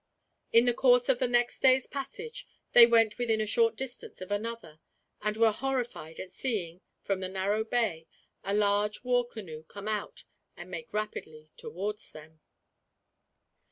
In the course of the next day's passage they went within a short distance of another, and were horrified at seeing, from the narrow bay, a large war canoe put out, and make rapidly towards them.